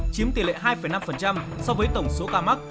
chiếm tỷ lệ hai năm so với tổng số ca mắc